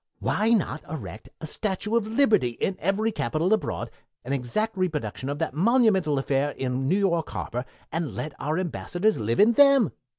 Why not erect a Statue of Liberty in every capital abroad, an exact reproduction of that monumental affair in New York Harbor, and let our Ambassadors live in them?